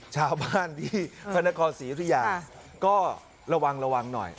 ชาวบ้านที่ฟนกอสีพุยายาวก็ระวังระวังหน่อย